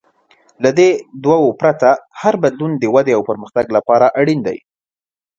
له دې دوو پرته، هر بدلون د ودې او پرمختګ لپاره اړین دی.